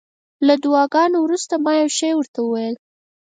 له دعاګانو وروسته ما یو شی ورته وویل.